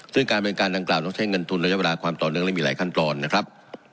ซึ่งการเป็นการดังกล่าวต้องเช่นเงินทุนและเวลาความต่อเนินมีหลายขั้นตอนนะครับ